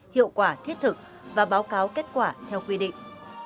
hiệu quả thiết thực và báo cáo kết quả theo quy định